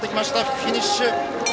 フィニッシュです。